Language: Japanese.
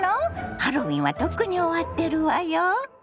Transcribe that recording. ハロウィーンはとっくに終わってるわよ。